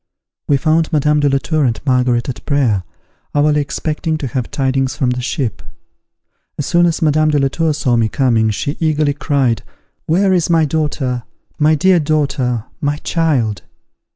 We found Madame de la Tour and Margaret at prayer; hourly expecting to have tidings from the ship. As soon as Madame de la Tour saw me coming, she eagerly cried, "Where is my daughter my dear daughter my child?"